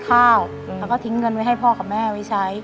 แล้วก็ทิ้งเงินไว้ให้พ่อกับแม่ไว้ใช้